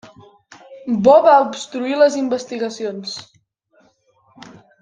Bo va obstruir les investigacions.